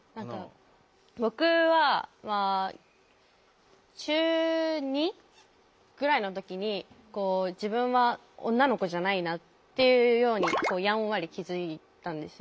僕はまあ中２ぐらいの時に自分は女の子じゃないなっていうようにやんわり気付いたんですよ。